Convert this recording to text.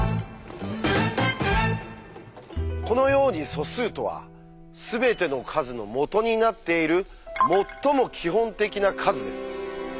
このように素数とは全ての数のもとになっている「最も基本的な数」です。